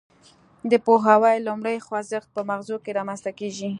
د پوهاوي لومړی خوځښت په مغزو کې رامنځته کیږي